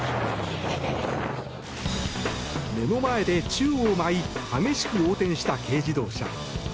目の前で宙を舞い激しく横転した軽自動車。